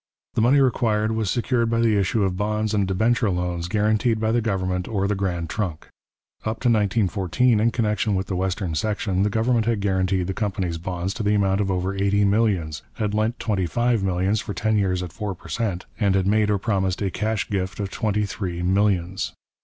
The money required was secured by the issue of bonds and debenture loans guaranteed by the government or the Grand Trunk. Up to 1914, in connection with the western section, the government had guaranteed the company's bonds to the amount of over eighty millions, had lent twenty five millions for ten years at four per cent, and had made or promised a cash gift of twenty three millions.